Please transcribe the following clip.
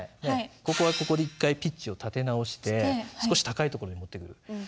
ここはここで一回ピッチを立て直して少し高いところに持ってくる。